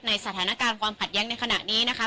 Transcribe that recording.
สถานการณ์ความขัดแย้งในขณะนี้นะคะ